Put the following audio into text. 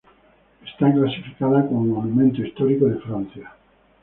Está clasificada como Monumento Histórico de Francia.